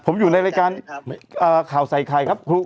ผมอยู่ในรายการข่าวใส่ใครครับ